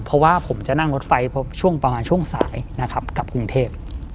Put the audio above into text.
เพราะว่าผมจะนั่งรถไฟช่วงประมาณช่วงสายนะครับกลับกรุงเทพ